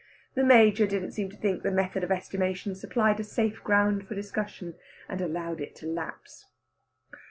The Major didn't seem to think the method of estimation supplied a safe ground for discussion, and allowed it to lapse.